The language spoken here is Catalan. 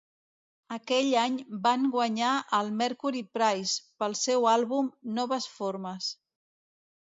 Aquell any van guanyar el Mercury Prize pel seu àlbum "noves formes".